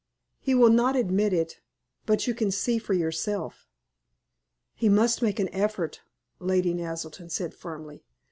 He will not admit it, but you can see for yourself." "He must make an effort," Lady Naselton said, firmly.